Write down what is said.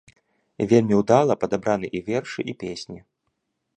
Вельмі ўдала падабраны і вершы, і песні.